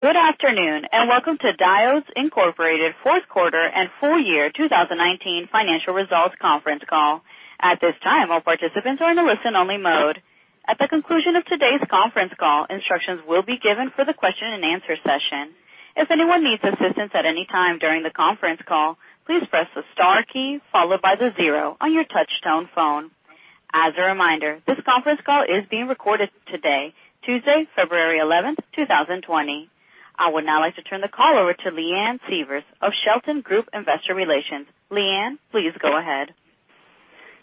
Good afternoon, and welcome to Diodes Incorporated Fourth Quarter and Full Year 2019 Financial Results Conference Call. At this time, all participants are in a listen-only mode. At the conclusion of today's conference call, instructions will be given for the question and answer session. If anyone needs assistance at any time during the conference call, please press the star key followed by the zero on your touch tone phone. As a reminder, this conference call is being recorded today, Tuesday, February 11, 2020. I would now like to turn the call over to Leanne Sievers of Shelton Group Investor Relations. Leanne, please go ahead.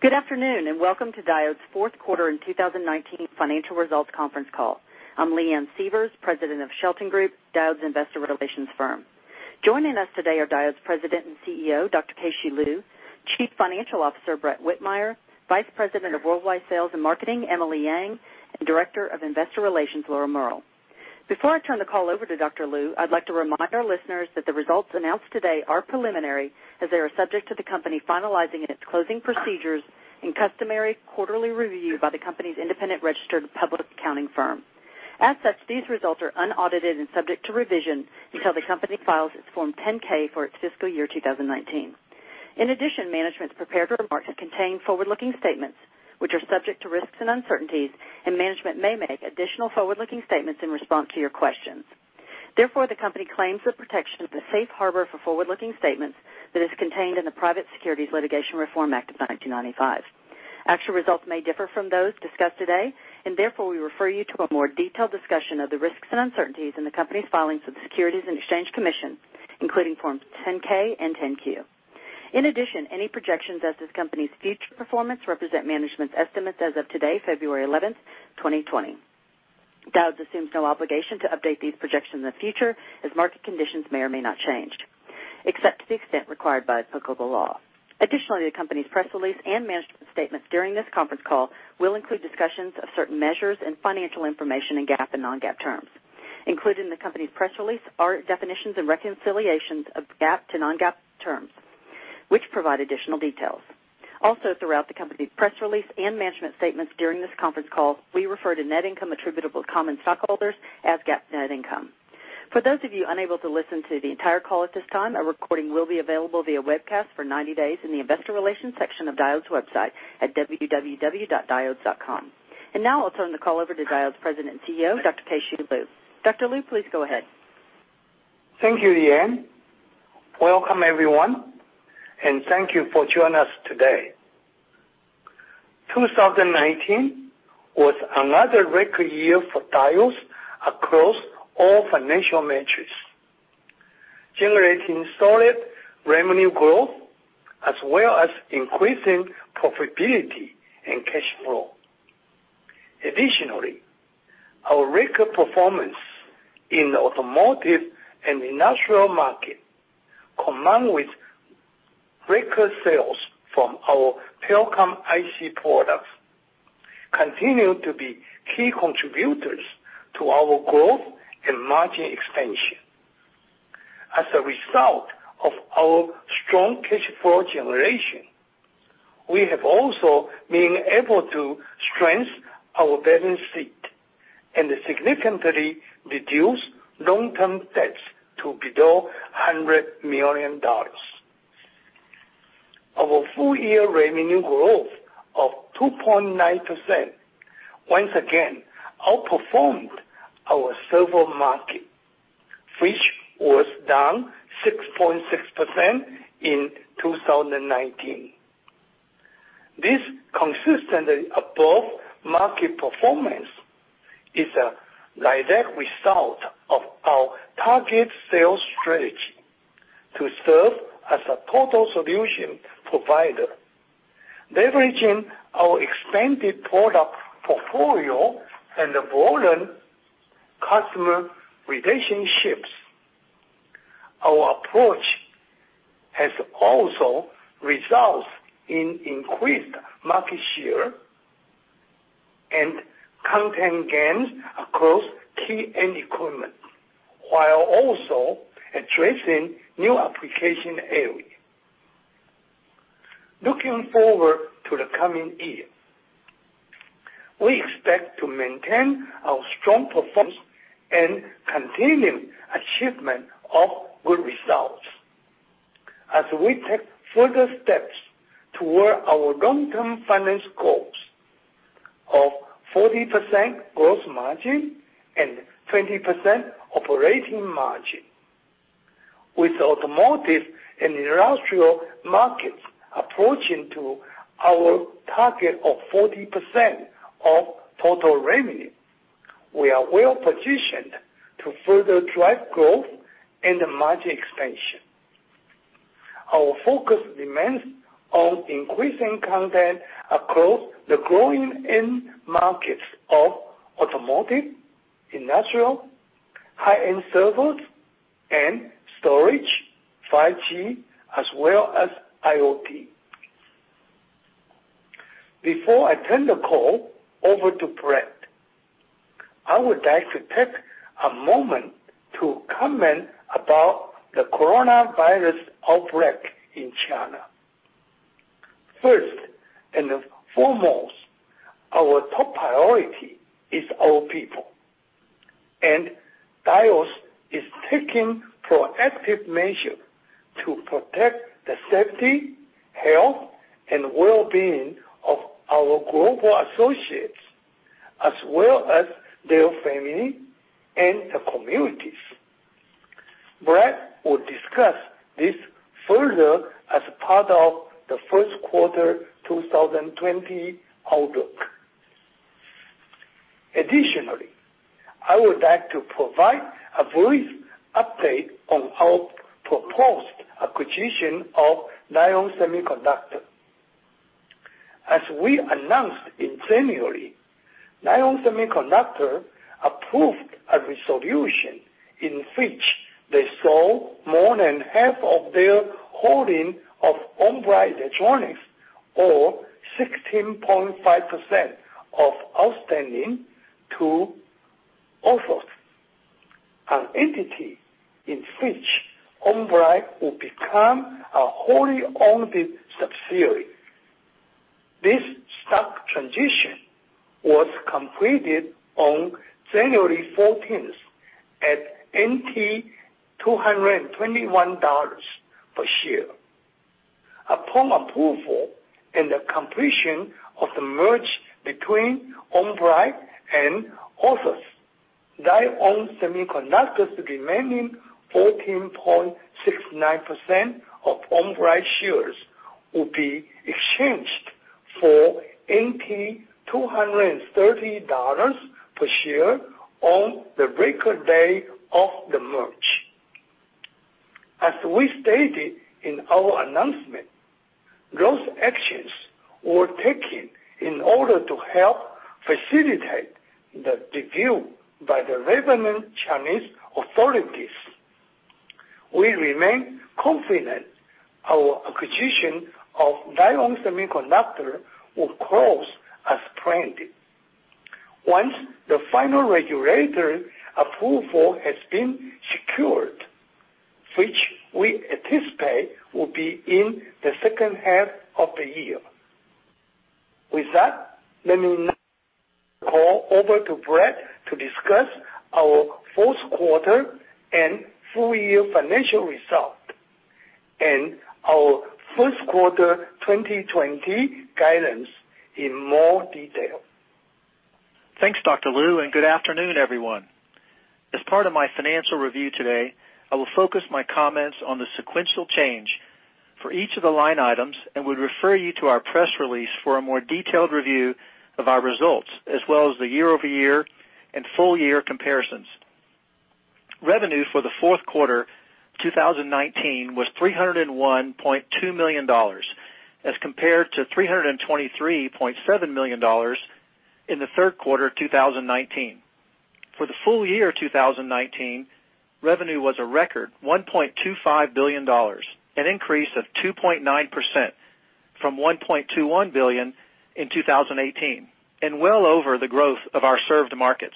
Good afternoon, and welcome to Diodes Fourth Quarter in 2019 Financial Results Conference Call. I'm Leanne Sievers, President of Shelton Group, Diodes investor relations firm. Joining us today are Diodes President and CEO, Dr. Keh-Shew Lu; Chief Financial Officer, Brett Whitmire; Vice President of Worldwide Sales and Marketing, Emily Yang; and Director of Investor Relations, Laura Mehrl. Before I turn the call over to Dr. Lu, I'd like to remind our listeners that the results announced today are preliminary as they are subject to the company finalizing its closing procedures and customary quarterly review by the company's independent registered public accounting firm. As such, these results are unaudited and subject to revision until the company files its Form 10-K for its fiscal year 2019. Management's prepared remarks contain forward-looking statements which are subject to risks and uncertainties, and management may make additional forward-looking statements in response to your questions. The company claims the protection of the Safe Harbor for forward-looking statements that is contained in the Private Securities Litigation Reform Act of 1995. Actual results may differ from those discussed today, and therefore, we refer you to a more detailed discussion of the risks and uncertainties in the company's filings with the Securities and Exchange Commission, including Forms 10-K and 10-Q. Any projections as this company's future performance represent management's estimates as of today, February 11, 2020. Diodes assumes no obligation to update these projections in the future, as market conditions may or may not change, except to the extent required by applicable law. Additionally, the company's press release and management statements during this conference call will include discussions of certain measures and financial information in GAAP and non-GAAP terms. Included in the company's press release are definitions and reconciliations of GAAP to non-GAAP terms, which provide additional details. Also, throughout the company's press release and management statements during this conference call, we refer to net income attributable to common stockholders as GAAP net income. For those of you unable to listen to the entire call at this time, a recording will be available via webcast for 90 days in the Investor Relations section of Diodes website at www.diodes.com. Now I'll turn the call over to Diodes President and CEO, Dr. Keh-Shew Lu. Dr. Lu, please go ahead. Thank you, Leanne. Welcome everyone, and thank you for joining us today. 2019 was another record year for Diodes across all financial metrics, generating solid revenue growth as well as increasing profitability and cash flow. Additionally, our record performance in the automotive and industrial market, combined with record sales from our telecom IC products, continue to be key contributors to our growth and margin expansion. As a result of our strong cash flow generation, we have also been able to strengthen our balance sheet and significantly reduce long-term debt to below $100 million. Our full year revenue growth of 2.9% once again outperformed our server market, which was down 6.6% in 2019. This consistently above-market performance is a direct result of our target sales strategy to serve as a total solution provider, leveraging our expanded product portfolio and broadened customer relationships. Our approach has also resulted in increased market share and content gains across key end equipment, while also addressing new application areas. Looking forward to the coming year, we expect to maintain our strong performance and continue achievement of good results as we take further steps toward our long-term financial goals of 40% gross margin and 20% operating margin. With automotive and industrial markets approaching to our target of 40% of total revenue, we are well-positioned to further drive growth and margin expansion. Our focus remains on increasing content across the growing end markets of automotive, industrial, high-end servers, and storage, 5G, as well as IoT. Before I turn the call over to Brett, I would like to take a moment to comment about the coronavirus outbreak in China. First and foremost, our top priority is our people. Diodes is taking proactive measure to protect the safety, health, and well-being of our global associates, as well as their family and the communities. Brett will discuss this further as part of the first quarter 2020 outlook. I would like to provide a brief update on our proposed acquisition of Lite-On Semiconductor. As we announced in January, Lite-On Semiconductor approved a resolution in which they sold more than half of their holding of On-Bright Electronics, or 16.5% of outstanding to Orthosie, an entity in which On-Bright Electronics will become a wholly owned subsidiary. This stock transition was completed on January 14th at $221 per share. Upon approval and the completion of the merge between On-Bright Electronics and Orthosie, Diodes Incorporated remaining 14.69% of On-Bright Electronics shares will be exchanged for $230 per share on the record day of the merge. As we stated in our announcement, those actions were taken in order to help facilitate the review by the relevant Chinese authorities. We remain confident our acquisition of Lite-On Semiconductor will close as planned. Once the final regulatory approval has been secured, which we anticipate will be in the second half of the year. With that, let me call over to Brett to discuss our fourth quarter and full year financial result, and our first quarter 2020 guidance in more detail. Thanks, Dr. Lu, and good afternoon, everyone. As part of my financial review today, I will focus my comments on the sequential change for each of the line items and would refer you to our press release for a more detailed review of our results, as well as the year-over-year and full year comparisons. Revenue for the fourth quarter 2019 was $301.2 million, as compared to $323.7 million in the third quarter 2019. For the full year 2019, revenue was a record $1.25 billion, an increase of 2.9% from $1.21 billion in 2018, and well over the growth of our served markets.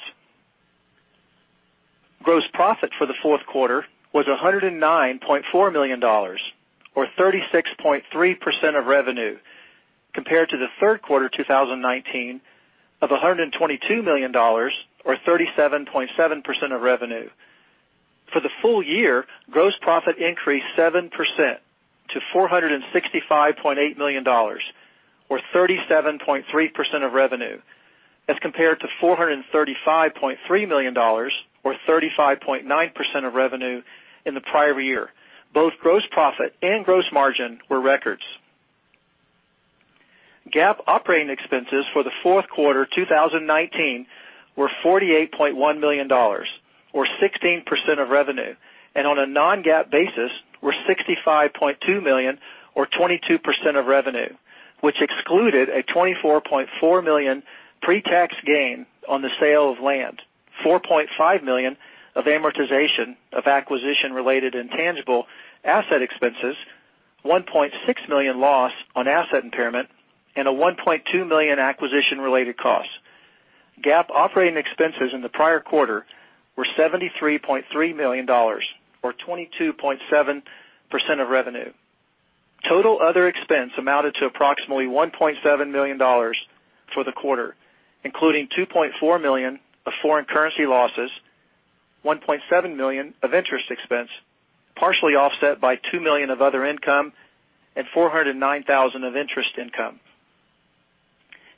Gross profit for the fourth quarter was $109.4 million, or 36.3% of revenue, compared to the third quarter 2019 of $122 million or 37.7% of revenue. For the full year, gross profit increased 7% to $465.8 million or 37.3% of revenue as compared to $435.3 million or 35.9% of revenue in the prior year. Both gross profit and gross margin were records. GAAP operating expenses for the fourth quarter 2019 were $48.1 million or 16% of revenue. On a non-GAAP basis were $65.2 million or 22% of revenue, which excluded a $24.4 million pre-tax gain on the sale of land, $4.5 million of amortization of acquisition related intangible asset expenses, $1.6 million loss on asset impairment, and a $1.2 million acquisition related cost. GAAP operating expenses in the prior quarter were $73.3 million or 22.7% of revenue. Total other expense amounted to approximately $1.7 million for the quarter, including $2.4 million of foreign currency losses, $1.7 million of interest expense, partially offset by $2 million of other income and $409,000 of interest income.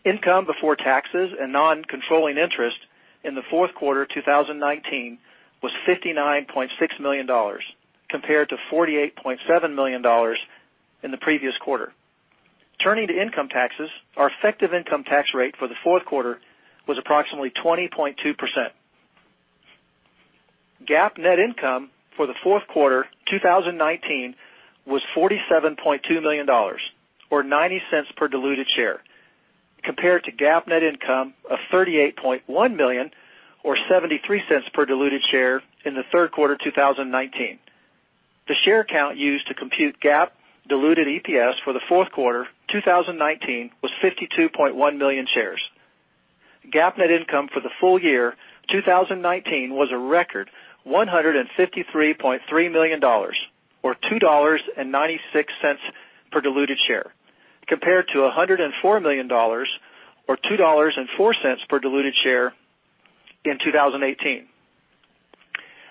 Income before taxes and non-controlling interest in the fourth quarter 2019 was $59.6 million, compared to $48.7 million in the previous quarter. Turning to income taxes, our effective income tax rate for the fourth quarter was approximately 20.2%. GAAP net income for the fourth quarter 2019 was $47.2 million or $0.90 per diluted share, compared to GAAP net income of $38.1 million or $0.73 per diluted share in the third quarter 2019. The share count used to compute GAAP diluted EPS for the fourth quarter 2019 was 52.1 million shares. GAAP net income for the full year 2019 was a record $153.3 million, or $2.96 per diluted share, compared to $104 million, or $2.04 per diluted share in 2018.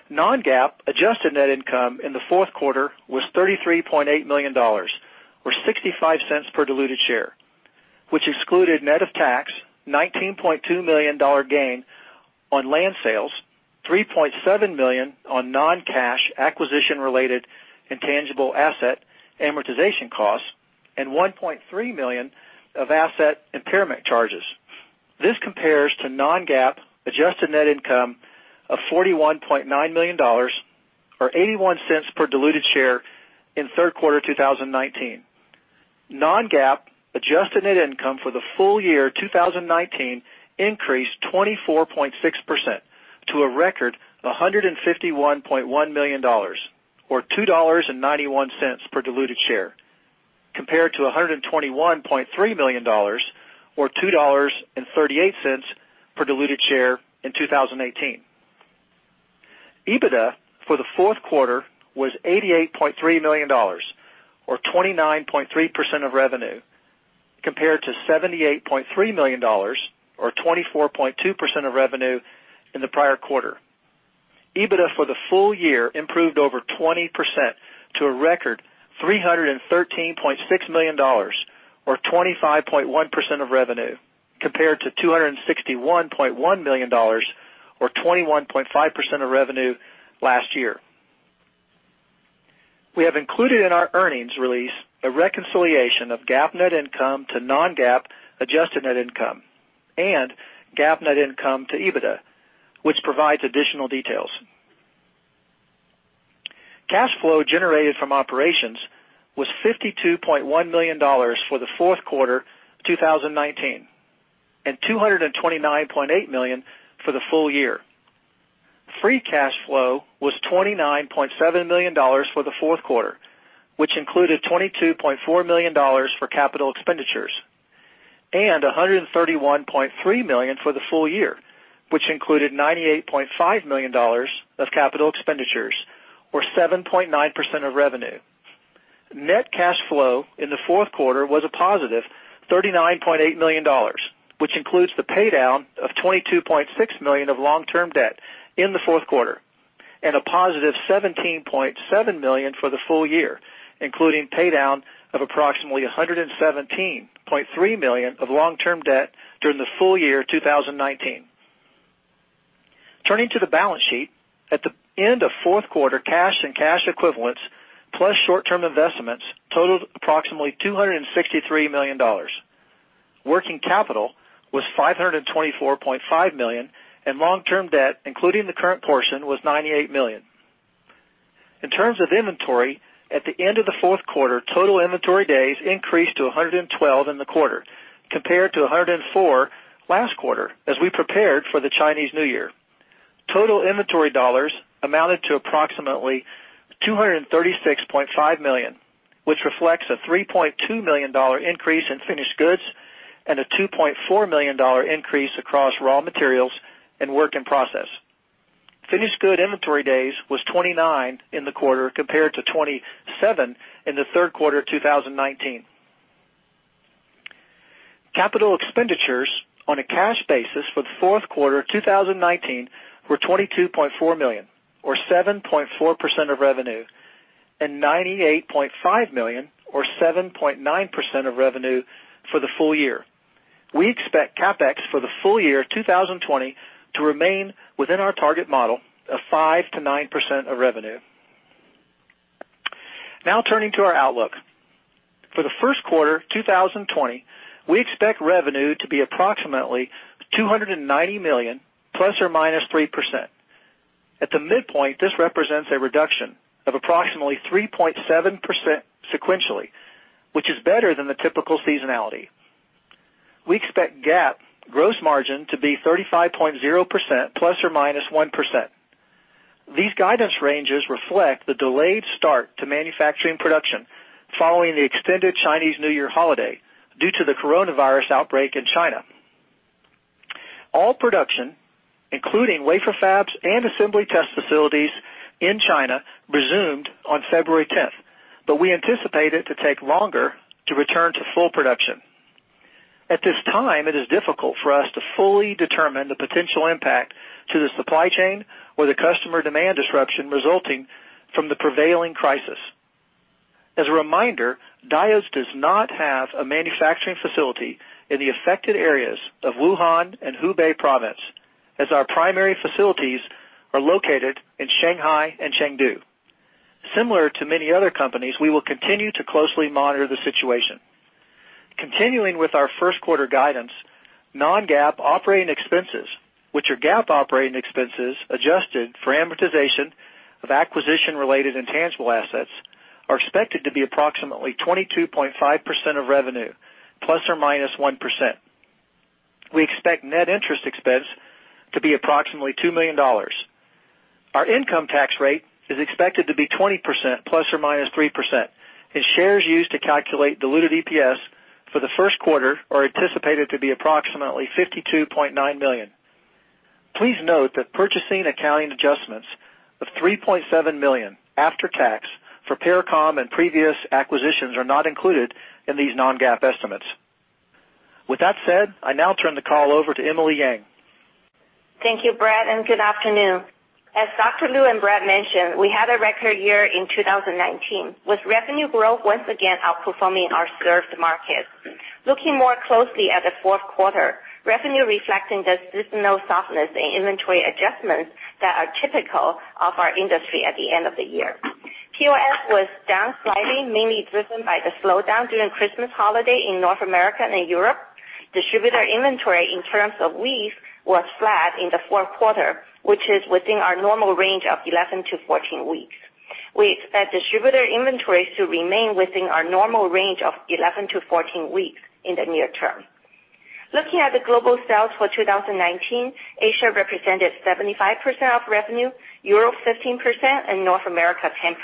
Non-GAAP adjusted net income in the fourth quarter was $33.8 million, or $0.65 per diluted share, which excluded net of tax $19.2 million gain on land sales, 3.7 million of non-cash acquisition related intangible asset amortization costs, and 1.3 million of asset impairment charges. This compares to non-GAAP adjusted net income of $41.9 million, or $0.81 per diluted share in third quarter 2019. Non-GAAP adjusted net income for the full year 2019 increased 24.6% to a record $151.1 million, or $2.91 per diluted share, compared to $121.3 million, or $2.38 per diluted share in 2018. EBITDA for the fourth quarter was $88.3 million, or 29.3% of revenue, compared to $78.3 million or 24.2% of revenue in the prior quarter. EBITDA for the full year improved over 20% to a record $313.6 million or 25.1% of revenue, compared to $261.1 million or 21.5% of revenue last year. We have included in our earnings release a reconciliation of GAAP net income to non-GAAP adjusted net income and GAAP net income to EBITDA, which provides additional details. Cash flow generated from operations was $52.1 million for the fourth quarter 2019 and $229.8 million for the full year. Free cash flow was $29.7 million for the fourth quarter, which included $22.4 million for capital expenditures and $131.3 million for the full year, which included $98.5 million of capital expenditures, or 7.9% of revenue. Net cash flow in the fourth quarter was a +$39.8 million, which includes the paydown of $22.6 million of long-term debt in the fourth quarter and a +$17.7 million for the full year, including paydown of approximately $117.3 million of long-term debt during the full year 2019. Turning to the balance sheet. At the end of fourth quarter, cash and cash equivalents plus short-term investments totaled approximately $263 million. Working capital was $524.5 million, and long-term debt, including the current portion, was $98 million. In terms of inventory, at the end of the fourth quarter, total inventory days increased to 112 in the quarter compared to 104 last quarter as we prepared for the Chinese New Year. Total inventory dollars amounted to approximately $236.5 million, which reflects a $3.2 million increase in finished goods and a $2.4 million increase across raw materials and work in process. Finished good inventory days was 29 in the quarter compared to 27 in the third quarter 2019. Capital expenditures on a cash basis for the fourth quarter 2019 were $22.4 million, or 7.4% of revenue, and $98.5 million, or 7.9% of revenue, for the full year. We expect CapEx for the full year 2020 to remain within our target model of 5%-9% of revenue. Turning to our outlook. For the first quarter 2020, we expect revenue to be approximately $290 million, ±3%. At the midpoint, this represents a reduction of approximately 3.7% sequentially, which is better than the typical seasonality. We expect GAAP gross margin to be 35.0%, ±1%. These guidance ranges reflect the delayed start to manufacturing production following the extended Chinese New Year holiday due to the coronavirus outbreak in China. All production, including wafer fabs and assembly test facilities in China, resumed on February 10th, but we anticipate it to take longer to return to full production. At this time, it is difficult for us to fully determine the potential impact to the supply chain or the customer demand disruption resulting from the prevailing crisis. As a reminder, Diodes does not have a manufacturing facility in the affected areas of Wuhan and Hubei province, as our primary facilities are located in Shanghai and Chengdu. Similar to many other companies, we will continue to closely monitor the situation. Continuing with our first quarter guidance, non-GAAP operating expenses, which are GAAP operating expenses adjusted for amortization of acquisition-related intangible assets, are expected to be approximately 22.5% of revenue, ±1%. We expect net interest expense to be approximately $2 million. Our income tax rate is expected to be 20% ±3%, and shares used to calculate diluted EPS for the first quarter are anticipated to be approximately 52.9 million. Please note that purchasing accounting adjustments of $3.7 million after tax for Pericom and previous acquisitions are not included in these non-GAAP estimates. With that said, I now turn the call over to Emily Yang. Thank you, Brett, and good afternoon. As Dr. Lu and Brett mentioned, we had a record year in 2019, with revenue growth once again outperforming our served markets. Looking more closely at the fourth quarter, revenue reflecting the seasonal softness in inventory adjustments that are typical of our industry at the end of the year. POS was down slightly, mainly driven by the slowdown during Christmas holiday in North America and Europe. Distributor inventory in terms of weeks was flat in the fourth quarter, which is within our normal range of 11-14 weeks. We expect distributor inventories to remain within our normal range of 11-14 weeks in the near term. Looking at the global sales for 2019, Asia represented 75% of revenue, Europe 15%, and North America 10%.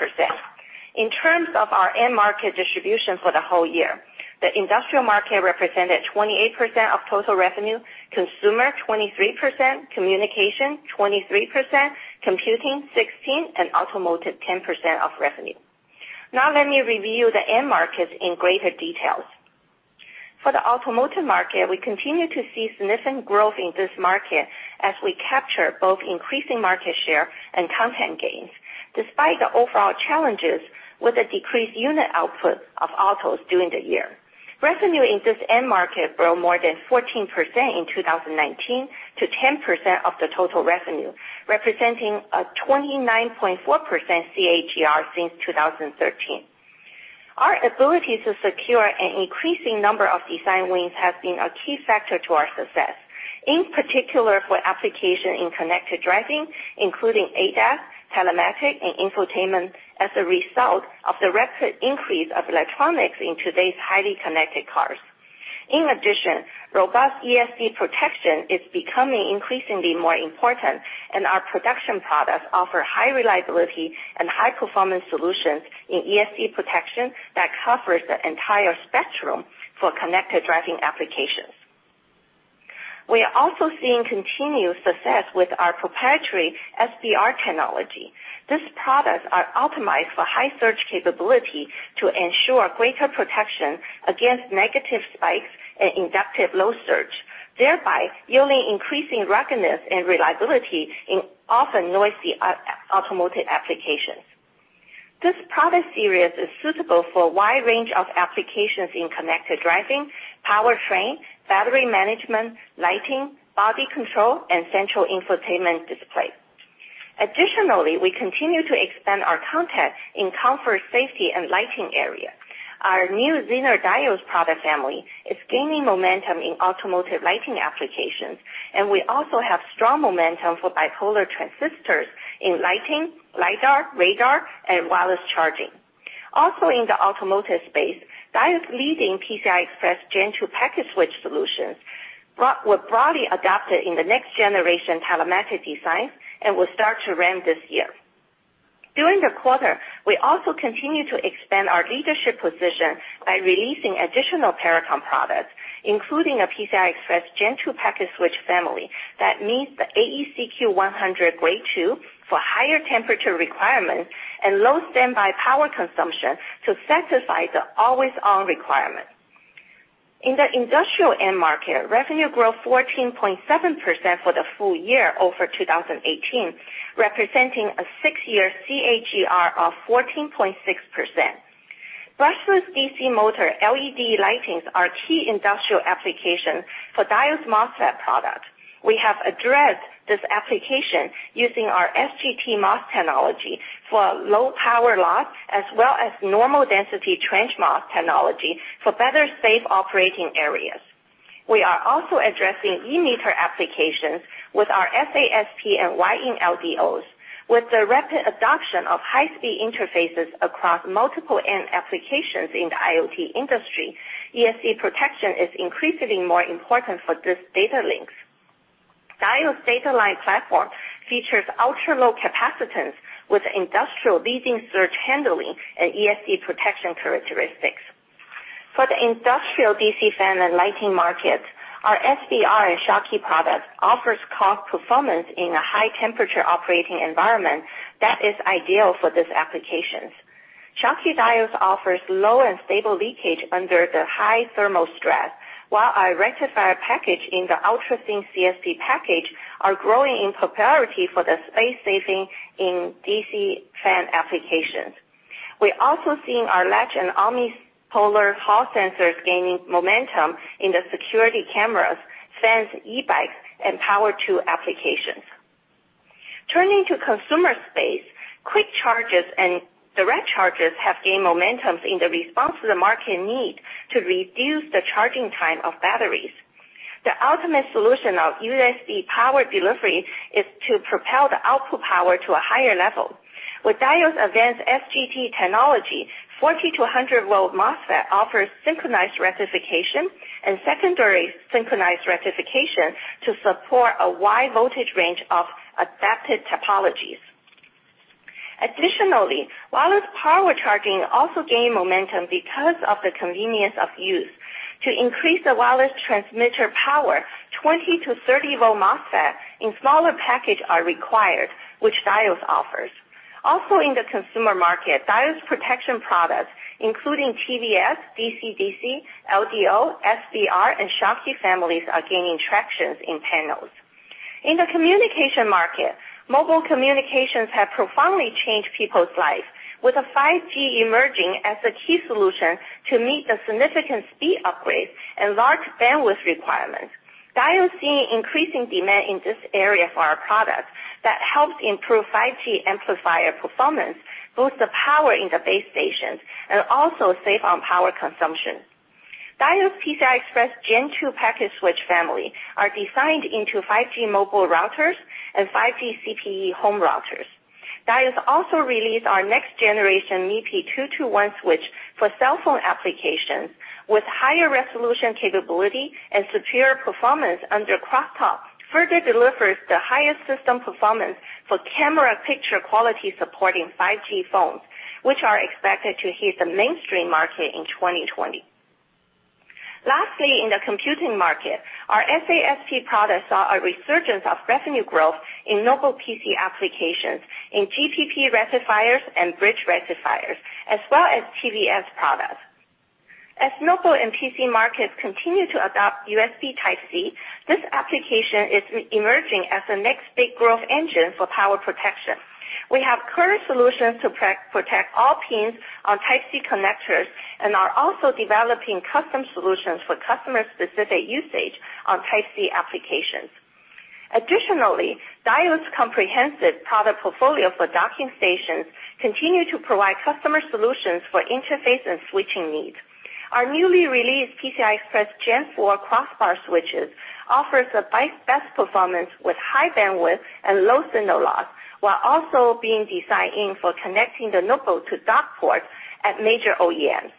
In terms of our end market distribution for the whole year, the industrial market represented 28% of total revenue, consumer 23%, communication 23%, computing 16%, and automotive 10% of revenue. Let me review the end markets in greater details. For the automotive market, we continue to see significant growth in this market as we capture both increasing market share and content gains, despite the overall challenges with the decreased unit output of autos during the year. Revenue in this end market grew more than 14% in 2019 to 10% of the total revenue, representing a 29.4% CAGR since 2013. Our ability to secure an increasing number of design wins has been a key factor to our success, in particular for application in connected driving, including ADAS, telematics, and infotainment, as a result of the rapid increase of electronics in today's highly connected cars. In addition, robust ESD protection is becoming increasingly more important, and our production products offer high reliability and high-performance solutions in ESD protection that covers the entire spectrum for connected driving applications. We are also seeing continued success with our proprietary SBR technology. These products are optimized for high surge capability to ensure greater protection against negative spikes and inductive low surge, thereby yielding increasing ruggedness and reliability in often noisy automotive applications. This product series is suitable for a wide range of applications in connected driving, powertrain, battery management, lighting, body control, and central infotainment display. Additionally, we continue to expand our content in comfort, safety, and lighting area. Our new Zener Diodes product family is gaining momentum in automotive lighting applications, and we also have strong momentum for bipolar transistors in lighting, lidar, radar, and wireless charging. Also in the automotive space, Diodes leading PCI Express Gen 2 packet switch solutions were broadly adopted in the next generation telematic designs and will start to ramp this year. During the quarter, we also continued to expand our leadership position by releasing additional Pericom products, including a PCI Express Gen 2 packet switch family that meets the AEC-Q100 Grade 2 for higher temperature requirements and low standby power consumption to satisfy the always-on requirement. In the industrial end market, revenue grew 14.7% for the full year over 2018, representing a six-year CAGR of 14.6%. Brushless DC motor LED lightings are key industrial application for Diodes MOSFET product. We have addressed this application using our SGT MOSFET technology for low power loss, as well as normal density trench MOSFET technology for better safe operating areas. We are also addressing e-meter applications with our SASP and [YIN LDOs]. With the rapid adoption of high-speed interfaces across multiple end applications in the IoT industry, ESD protection is increasingly more important for these data links. Diodes data line platform features ultra-low capacitance with industry-leading surge handling and ESD protection characteristics. For the industrial DC fan and lighting market, our SBR and Schottky products offer cost performance in a high-temperature operating environment that is ideal for these applications. Schottky Diodes offer low and stable leakage under the high thermal stress, while our rectifier package in the ultra-thin CSP package is growing in popularity for the space saving in DC fan applications. We're also seeing our latch and omnipolar hall sensors gaining momentum in the security cameras, fans, e-bikes, and power tool applications. Turning to consumer space, quick chargers and direct chargers have gained momentum in the response to the market need to reduce the charging time of batteries. The ultimate solution of USB power delivery is to propel the output power to a higher level. With Diodes advanced SGT technology, 40-100 V MOSFET offers synchronized rectification and secondary synchronized rectification to support a wide voltage range of adapted topologies. Additionally, wireless power charging also gained momentum because of the convenience of use. To increase the wireless transmitter power, 20-30 V MOSFET in smaller package are required, which Diodes offers. Also in the consumer market, Diodes protection products, including TVS, DC-DC, LDO, SBR, and Schottky families, are gaining traction in panels. In the communication market, mobile communications have profoundly changed people's lives. With the 5G emerging as a key solution to meet the significant speed upgrades and large bandwidth requirements, Diodes is seeing increasing demand in this area for our products that helps improve 5G amplifier performance, boost the power in the base stations, and also save on power consumption. Diodes PCI Express Gen 2 package switch family are designed into 5G mobile routers and 5G CPE home routers. Diodes also released our next generation MIPI 2x1 switch for cell phone applications with higher resolution capability and superior performance under cross talk, further delivers the highest system performance for camera picture quality supporting 5G phones, which are expected to hit the mainstream market in 2020. Lastly, in the computing market, our SBRT product saw a resurgence of revenue growth in notebook PC applications in GPP rectifiers and bridge rectifiers, as well as TVS products. As notebook and PC markets continue to adopt USB Type-C, this application is emerging as the next big growth engine for power protection. We have current solutions to protect all pins on Type-C connectors and are also developing custom solutions for customer-specific usage on Type-C applications. Additionally, Diodes' comprehensive product portfolio for docking stations continue to provide customer solutions for interface and switching needs. Our newly released PCI Express Gen 4 cross bar switches offers the best performance with high bandwidth and low signal loss, while also being designed in for connecting the notebook to dock ports at major OEMs.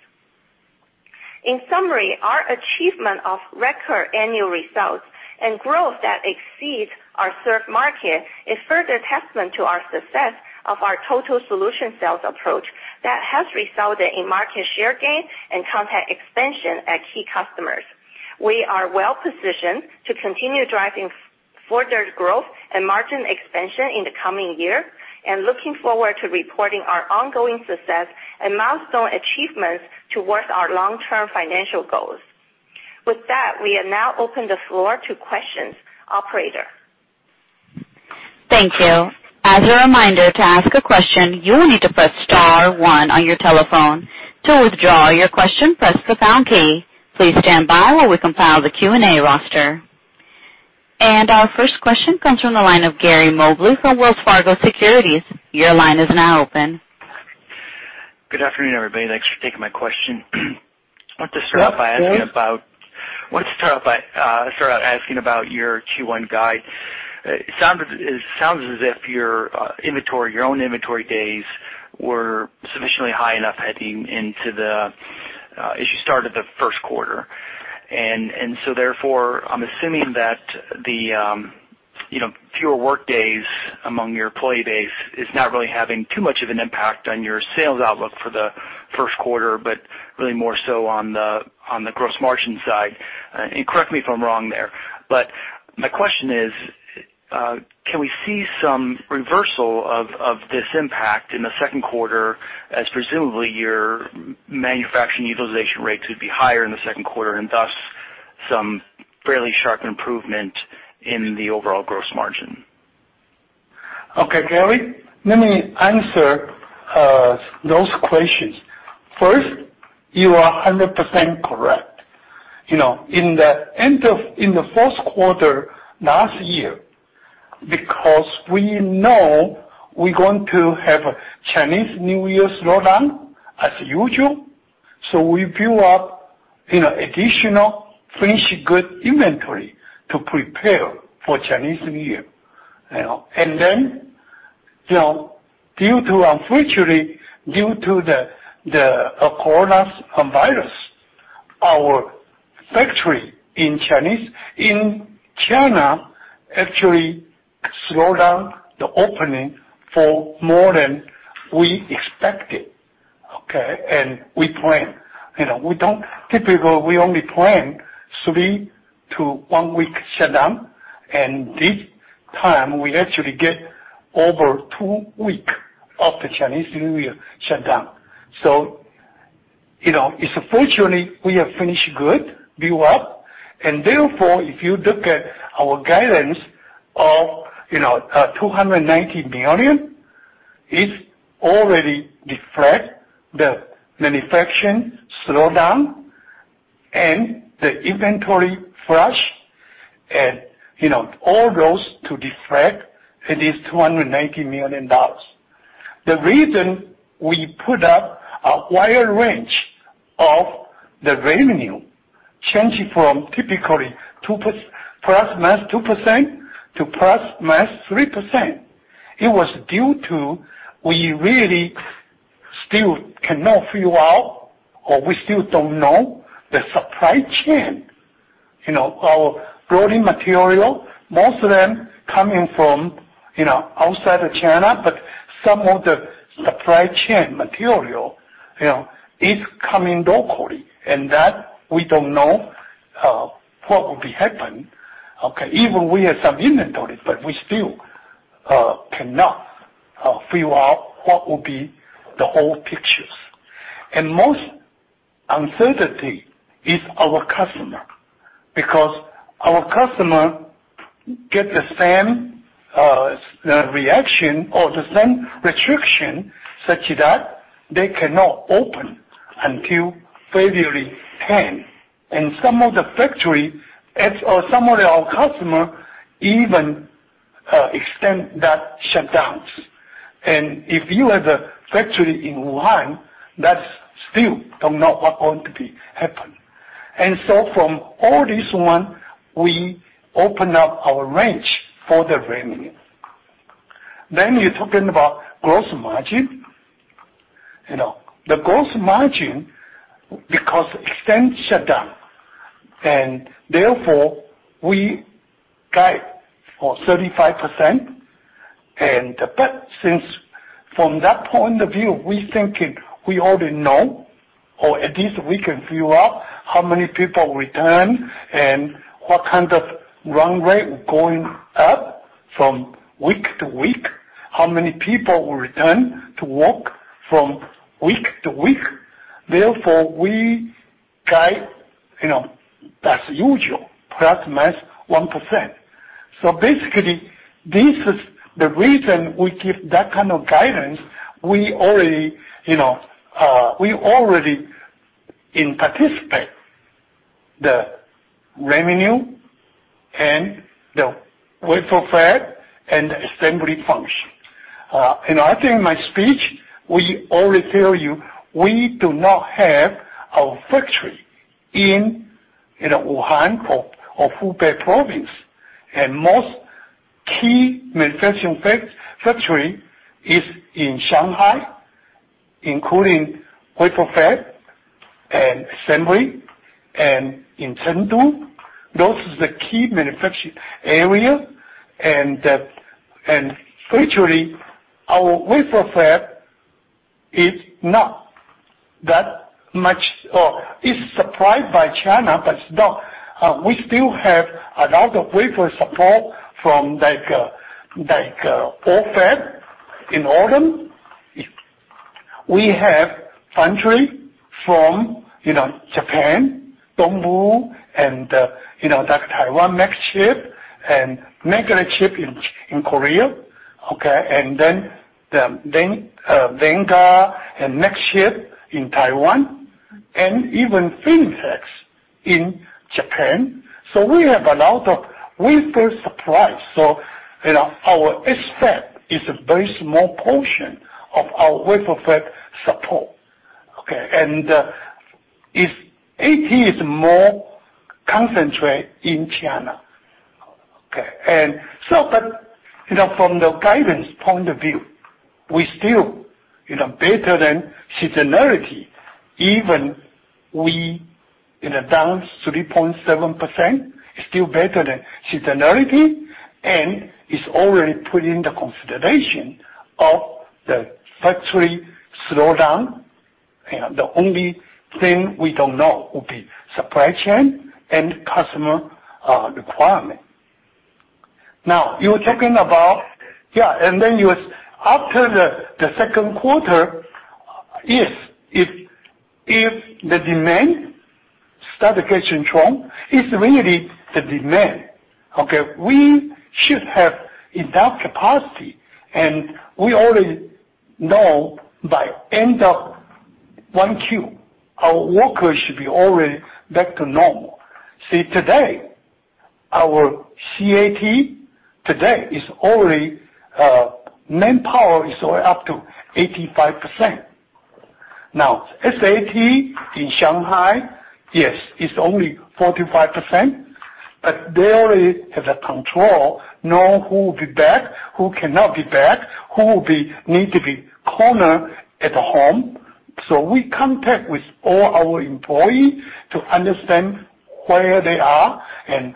In summary, our achievement of record annual results and growth that exceeds our served market is further testament to our success of our total solution sales approach that has resulted in market share gain and content expansion at key customers. We are well positioned to continue driving further growth and margin expansion in the coming year and looking forward to reporting our ongoing success and milestone achievements towards our long-term financial goals. With that, we now open the floor to questions. Operator? Thank you. As a reminder, to ask a question, you will need to press star one on your telephone. To withdraw your question, press the pound key. Please stand by while we compile the Q&A roster. Our first question comes from the line of Gary Mobley from Wells Fargo Securities. Your line is now open. Good afternoon, everybody. Thanks for taking my question. I want to start off by asking about your Q1 guide. It sounds as if your own inventory days were sufficiently high enough heading into the, as you started the first quarter. Therefore, I'm assuming that the fewer workdays among your employee base is not really having too much of an impact on your sales outlook for the first quarter, but really more so on the gross margin side. Correct me if I'm wrong there. My question is, can we see some reversal of this impact in the second quarter as presumably your manufacturing utilization rates would be higher in the second quarter, and thus some fairly sharp improvement in the overall gross margin? Okay, Gary, let me answer those questions. First, you are 100% correct. In the first quarter last year, because we know we're going to have a Chinese New Year slowdown as usual, so we build up additional finished goods inventory to prepare for Chinese New Year. Unfortunately, due to the coronavirus, our factory in China actually slowed down the opening for more than we expected, okay? We plan. Typically, we only plan three to one week shutdown, and this time, we actually get over two week of the Chinese New Year shutdown. Unfortunately, we have finished good build-up, and therefore, if you look at our guidance of $290 million, it already reflects the manufacturing slowdown and the inventory flush and all those to reflect in this $290 million. The reason we put up a wide range of the revenue, changing from typically ±2% to ±3%. It was due to we really still cannot figure out, or we still don't know the supply chain. Our raw material, most of them coming from outside of China, but some of the supply chain material is coming locally, and that we don't know what will be happening. Okay. Even we have some inventory, but we still cannot figure out what will be the whole picture. Most uncertainty is our customer, because our customer gets the same reaction or the same restriction such that they cannot open until February 10. Some of the factory or some of our customer even extend that shutdowns. If you have the factory in Wuhan, that still don't know what going to be happen. From all this one, we open up our range for the revenue. You're talking about gross margin. The gross margin, because extended shutdown, we guide for 35%. From that point of view, we thinking we already know, or at least we can figure out how many people return and what kind of run rate going up from week to week, how many people will return to work from week to week. We guide as usual, ±1%. This is the reason we give that kind of guidance. We already anticipate the revenue and the wafer fab and the assembly function. I think in my speech, we already tell you, we do not have a factory in Wuhan or Hubei province. Most key manufacturing factory is in Shanghai, including wafer fab and assembly, and in Chengdu. Those are the key manufacturing areas. Virtually, our wafer fab is supplied by China, but we still have a lot of wafer support from fab in Oldham. We have factory from Japan, DB HiTek, and Taiwan Nextchip, and MagnaChip in Korea, okay, [Vega] and Nextchip in Taiwan, and even Fintek in Japan. We have a lot of wafer supply. Our expect is a very small portion of our wafer fab support. Okay. SAT is more concentrated in China. Okay. From the guidance point of view, we still better than seasonality, even we down 3.7%, it's still better than seasonality, and it's already put into consideration of the factory slowdown. The only thing we don't know will be supply chain and customer requirement. Now, you were talking about after the second quarter, if the demand starts getting strong, it's really the demand. Okay? We should have enough capacity, and we already know by end of 1Q, our workers should be already back to normal. Today, our CAT today is already, manpower is already up to 85%. SAT in Shanghai, yes, it's only 45%, but they already have the control, know who will be back, who cannot be back, who will need to be quarantine at home. We contact with all our employee to understand where they are and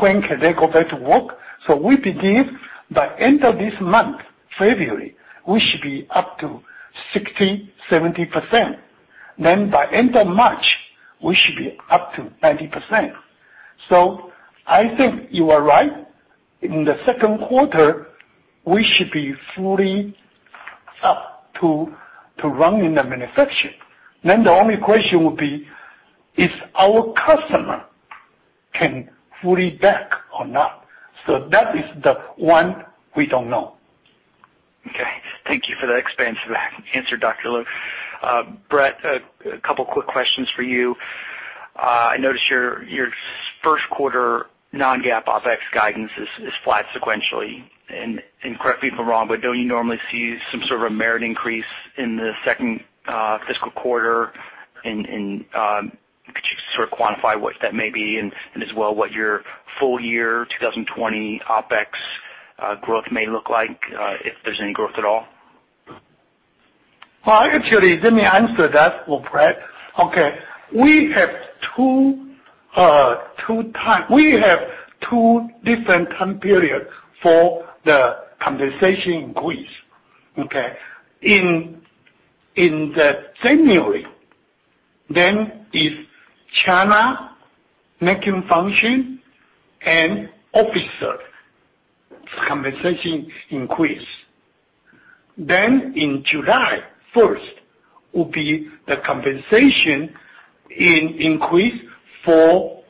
when can they go back to work. We believe by end of this month, February, we should be up to 60%, 70%. By end of March, we should be up to 90%. I think you are right. In the second quarter, we should be fully up to run in the manufacturing. The only question would be, if our customer can fully back or not. That is the one we don't know. Okay. Thank you for that expansive answer, Dr. Lu. Brett, a couple quick questions for you. I noticed your first quarter non-GAAP OpEx guidance is flat sequentially. Correct me if I'm wrong, but don't you normally see some sort of a merit increase in the second fiscal quarter Sort of quantify what that may be and as well what your full year 2020 OpEx growth may look like, if there's any growth at all. Well, actually, let me answer that for Brett. Okay, we have two different time periods for the compensation increase. Okay. In the January, is China making function and officer compensation increase. In July 1st will be the compensation increase for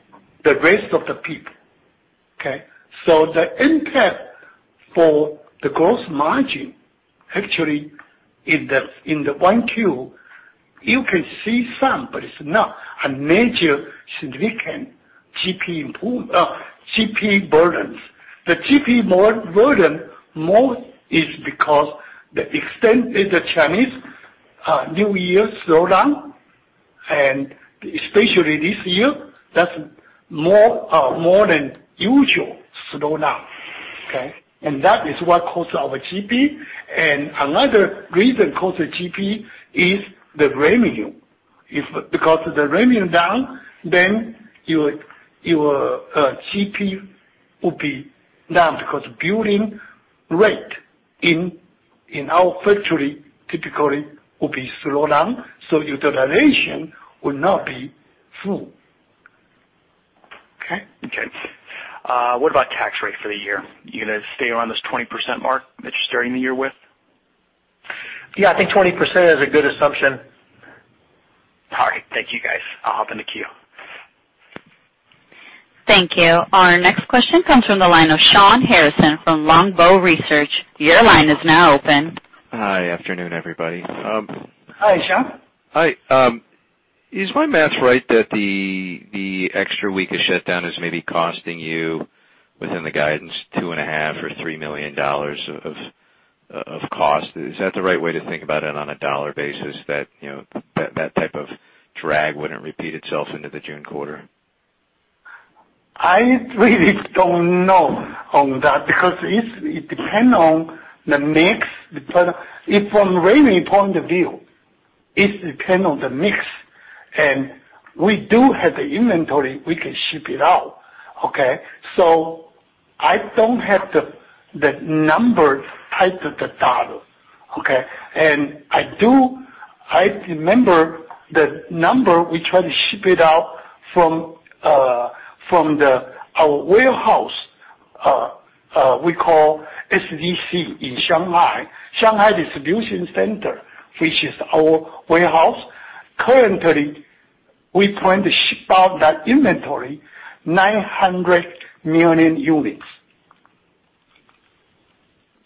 the rest of the people. Okay. The impact for the gross margin actually in the 1Q, you can see some, but it's not a major significant GP burdens. The GP burden more is because the extent is the Chinese New Year slowdown and especially this year, that's more than usual slowdown, okay. That is what caused our GP, and another reason cause the GP is the revenue. If because the revenue down, your GP will be down because building rate in our factory typically will be slowed down, utilization will not be full. Okay. Okay. What about tax rate for the year? You going to stay around this 20% mark that you're starting the year with? Yeah, I think 20% is a good assumption. All right. Thank you guys. I'll hop in the queue. Thank you. Our next question comes from the line of Shawn Harrison from Longbow Research. Your line is now open. Hi. Afternoon, everybody. Hi, Shawn. Hi. Is my math right that the extra week of shutdown is maybe costing you within the guidance, $2.5 or $3 million of cost? Is that the right way to think about it on a dollar basis that type of drag wouldn't repeat itself into the June quarter? I really don't know on that because it depend on the mix. If from revenue point of view, it depend on the mix, and we do have the inventory, we can ship it out. Okay. I don't have the number tied to the dollar. Okay. I remember the number we try to ship it out from our warehouse, we call SDC in Shanghai Distribution Center, which is our warehouse. Currently, we plan to ship out that inventory, 900 million units.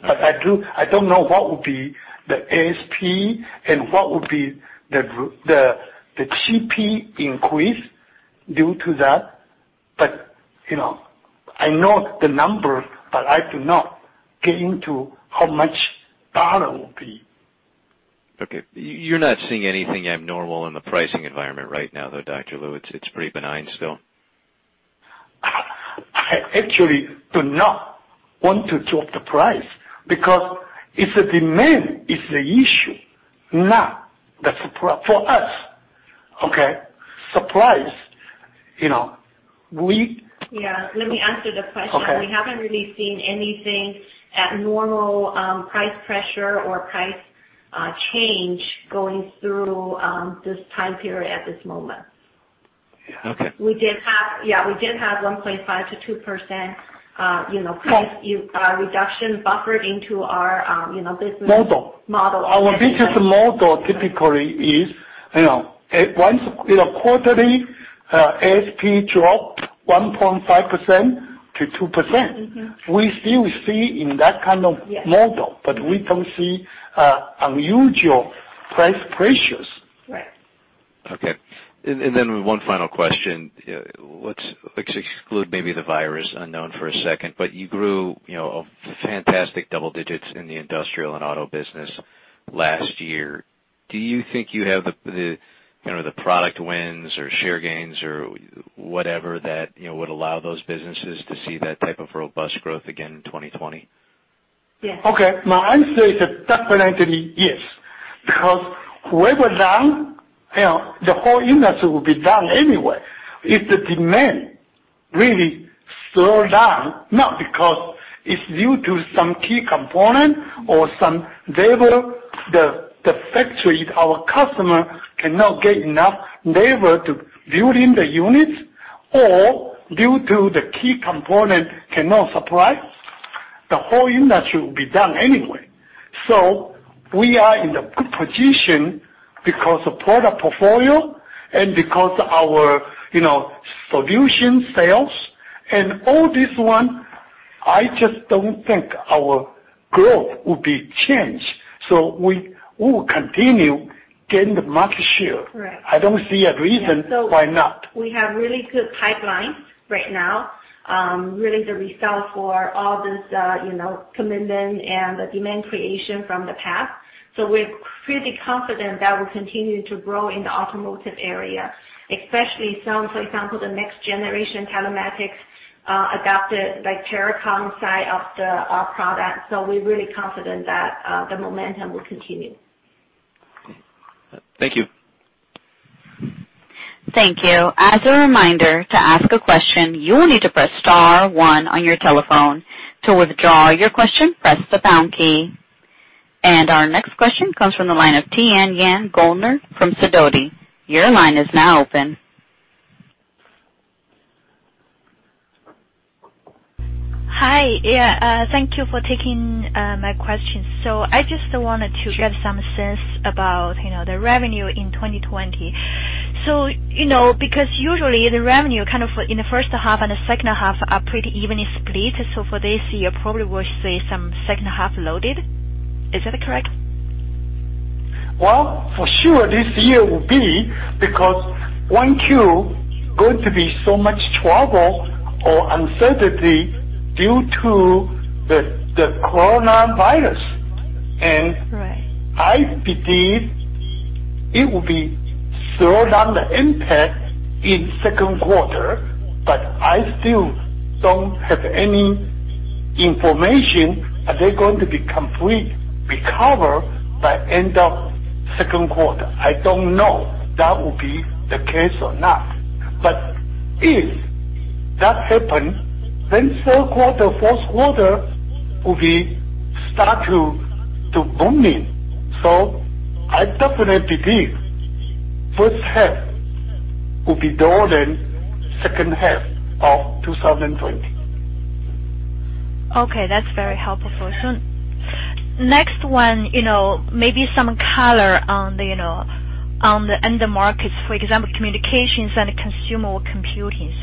I don't know what would be the ASP and what would be the GP increase due to that. I know the number, but I do not get into how much dollar will be. Okay. You're not seeing anything abnormal in the pricing environment right now, though, Dr. Lu? It's pretty benign still. I actually do not want to talk the price because it's the demand is the issue now for us, okay? Yeah. Let me answer the question. Okay. We haven't really seen anything abnormal price pressure or price change going through this time period at this moment. Okay. We did have 1.5%-2% price reduction buffered into our business. Model Model. Our business model typically is, once quarterly ASP drop 1.5%-2%. We still see in that kind of model. Yes. We don't see unusual price pressures. Right. Okay. One final question. Let's exclude maybe the virus unknown for a second, you grew a fantastic double-digits in the industrial and auto business last year. Do you think you have the product wins or share gains or whatever that would allow those businesses to see that type of robust growth again in 2020? Yes. Okay. My answer is definitely yes, because whoever down, the whole industry will be down anyway. If the demand really slow down, not because it's due to some key component or some labor, the factory, our customer cannot get enough labor to build in the units or due to the key component cannot supply, the whole industry will be down anyway. We are in a good position because of product portfolio and because our solution sales and all this one, I just don't think our growth will be changed, so we will continue getting the market share. Correct. I don't see a reason why not. We have really good pipeline right now, really the result for all this commitment and the demand creation from the past. We're pretty confident that we'll continue to grow in the automotive area, especially some, for example, the next generation telematics, ADAS side of the product. We're really confident that the momentum will continue. Okay. Thank you. Thank you. As a reminder, to ask a question, you will need to press star one on your telephone. To withdraw your question, press the pound key. Our next question comes from the line of Tianyan Goellner from Sidoti. Your line is now open. Hi. Yeah. Thank you for taking my question. Sure. Get some sense about the revenue in 2020. Because usually the revenue kind of in the first half and the second half are pretty evenly split. For this year, probably we'll see some second half loaded, is that correct? Well, for sure this year will be because 1Q going to be so much trouble or uncertainty due to the coronavirus. Right. I believe it will be slow down the impact in second quarter, but I still don't have any information. Are they going to be complete recover by end of second quarter? I don't know that would be the case or not. If that happen, then third quarter, fourth quarter will be start to booming. I definitely believe first half will be lower than second half of 2020. Okay. That's very helpful. Next one, maybe some color on the end markets, for example, communications and consumer computing.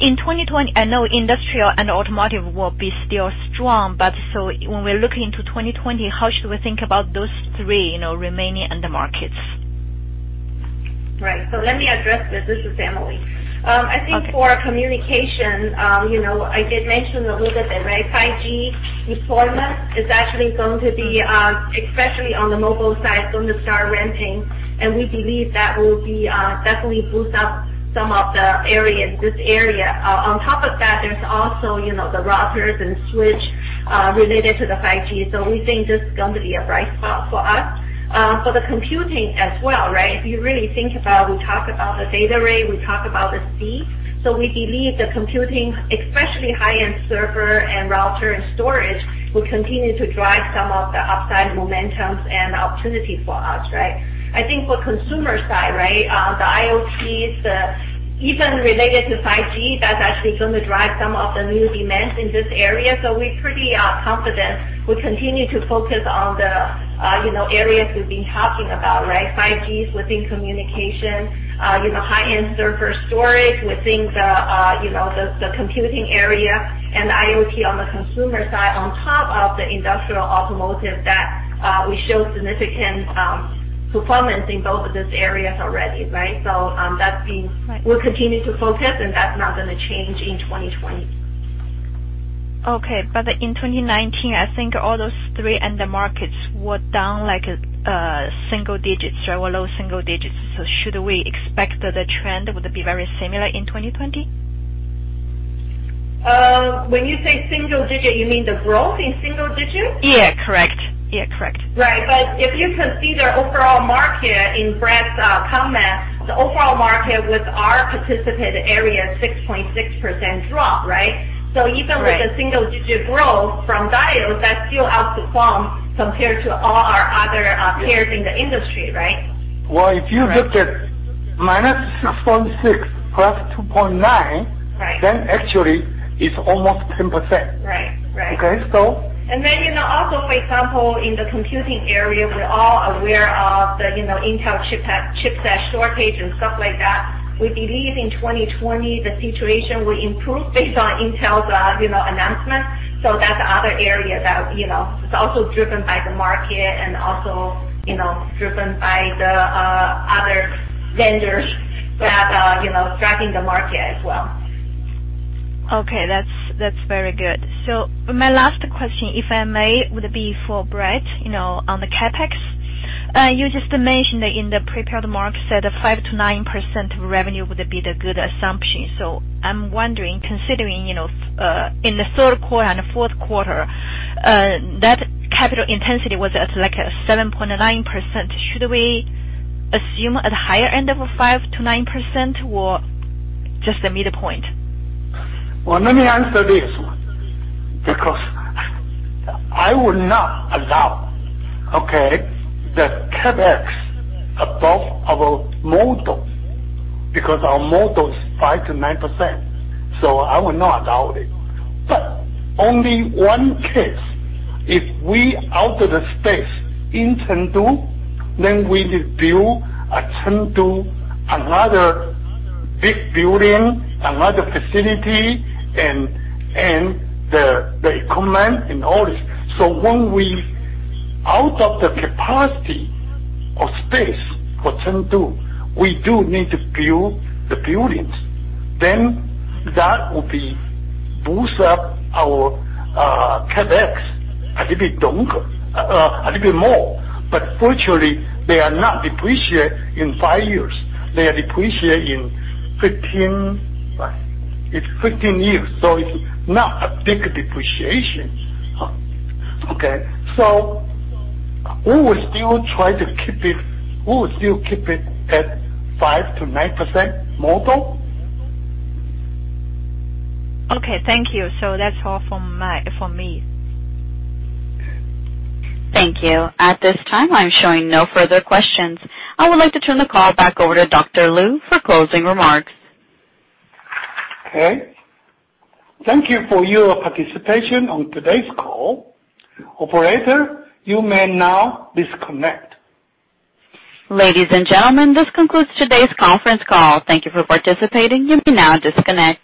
In 2020, I know industrial and automotive will be still strong, but when we're looking into 2020, how should we think about those three remaining end markets? Right. Let me address this. This is Emily. Okay. I think for communication, I did mention a little bit that 5G deployment is actually going to be, especially on the mobile side, going to start ramping, and we believe that will be definitely boost up some of the areas, this area. On top of that, there's also the routers and switch, related to the 5G. We think this is going to be a bright spot for us. For the computing as well, right? If you really think about, we talk about the data rate, we talk about the speed. We believe the computing, especially high-end server and router and storage, will continue to drive some of the upside momentums and opportunities for us, right? I think for consumer side, right? The IoTs, even related to 5G, that's actually going to drive some of the new demands in this area. We're pretty confident we continue to focus on the areas we've been talking about, right? 5G within communication, high-end server storage within the computing area, and IoT on the consumer side, on top of the industrial automotive that we show significant performance in both of those areas already, right? Right. We'll continue to focus, and that's not going to change in 2020. Okay. In 2019, I think all those three end markets were down like single digits or low single digits. Should we expect the trend would be very similar in 2020? When you say single digit, you mean the growth in single digit? Yeah. Correct. Right. If you can see their overall market in Brett's comment, the overall market with our participated area, 6.6% drop, right? Right. Even with a single digit growth from Diodes, that still outperform compared to all our other peers in the industry, right? Well, if you looked at -6.6% +2.9%. Right. Actually it's almost 10%. Right. Okay? Then also, for example, in the computing area, we're all aware of the Intel chipset shortage and stuff like that. We believe in 2020 the situation will improve based on Intel's announcement. That's other area that it's also driven by the market and also driven by the other vendors that are driving the market as well. Okay. That's very good. My last question, if I may, would be for Brett, on the CapEx. You just mentioned that in the prepared remarks that a 5%-9% revenue would be the good assumption. I'm wondering, considering in the third quarter and fourth quarter, that capital intensity was at like a 7.9%. Should we assume at higher end of a 5%-9% or just the midpoint? Well, let me answer this one because I would not allow, okay, the CapEx above our model because our model is 5%-9%. I would not allow it. Only one case, if we out of the space in Chengdu, we need build a Chengdu, another big building, another facility, and the equipment and all this. When we out of the capacity or space for Chengdu, we do need to build the buildings, that would be boost up our CapEx a little bit more. Fortunately, they are not depreciate in five years, they are depreciate in 15 years. Right. It's 15 years, so it's not a big depreciation. We will still keep it at 5%-9% model. Okay. Thank you. That's all from me. Thank you. At this time, I'm showing no further questions. I would like to turn the call back over to Dr. Lu for closing remarks. Okay. Thank you for your participation on today's call. Operator, you may now disconnect. Ladies and gentlemen, this concludes today's conference call. Thank you for participating. You may now disconnect.